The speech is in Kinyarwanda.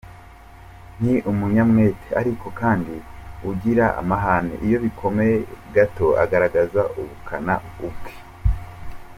Ni umunyamwete ariko kandi ugira amahane iyo bikomeye gato agaragaza ubukana ubwe.